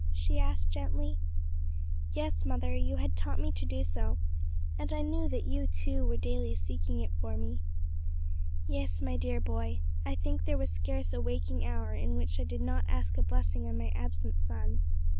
she asked gently. "Yes, mother; you had taught me to do so, and I knew that you, too, were daily seeking it for me." "Yes, my dear boy; I think there was scarce a waking hour in which I did not ask a blessing on my absent son."